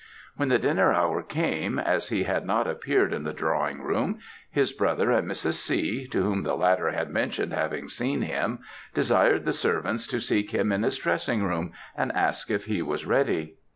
When the dinner hour came, as he had not appeared in the drawing room, his brother and Mrs. C., to whom the latter had mentioned having seen him, desired the servants to seek him in his dressing room, and ask if he was ready.